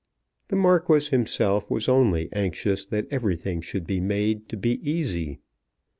The Marquis himself was only anxious that everything should be made to be easy.